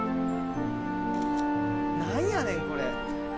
何やねんこれ。